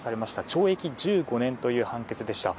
懲役１５年という判決でした。